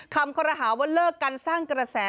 คอรหาว่าเลิกกันสร้างกระแส